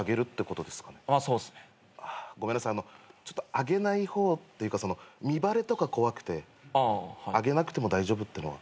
上げない方っていうか身バレとか怖くて上げなくても大丈夫ってのは？